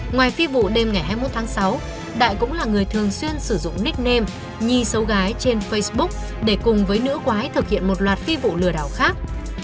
ngoài phi vụ đêm ngày hai mươi một tháng sáu đại cũng là người thường xuyên sử dụng nickname nhi sâu gái trên facebook để cùng với nữ quái thực hiện một loạt phi vụ lừa đảo khác